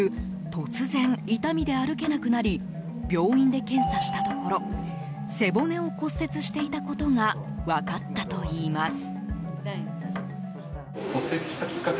突然、痛みで歩けなくなり病院で検査したところ背骨を骨折していたことが分かったといいます。